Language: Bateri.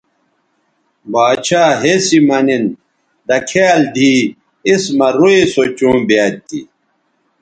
باڇھا ہسی مہ نِن دکھیال دی اِس مہ روئ سو چوں بیاد تھی